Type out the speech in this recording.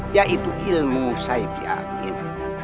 yaitu ilmu saipi angin